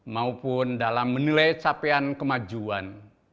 maupun dalam menilai capaian kemajuan